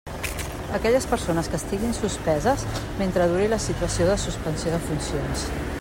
Aquelles persones que estiguin suspeses, mentre duri la situació de suspensió de funcions.